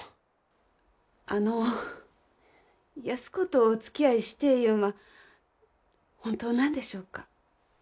あの安子とおつきあいしてえいうんは本当なんでしょうか？